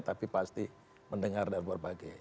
tapi pasti mendengar dari berbagai